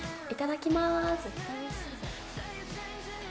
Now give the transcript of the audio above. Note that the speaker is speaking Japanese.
いただきます。